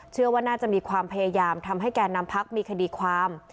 เชื่อว่าน่าจะมีความพยายามทำให้แก่นำพักมีคดีความ